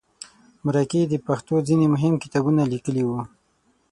مرکې د پښتو ځینې مهم کتابونه لیکلي وو.